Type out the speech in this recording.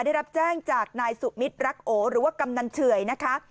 ได้รับแจ้งจากนายสุมิตรรักโอหรือว่ากำนันเฉื่อยนะคะ